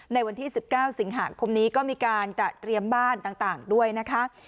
ในวันที่๑๙สิงหาคมนี้ก็มีการจัดเตรียมบ้านต่างด้วยนะคะ